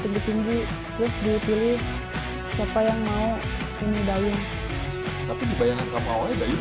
lebih tinggi terus dipilih siapa yang mau ini daun tapi dibayangkan sama oleh dayung